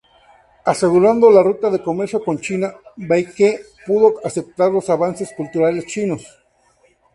Asegurando la ruta de comercio con China, Baekje pudo aceptar los avances culturales chinos.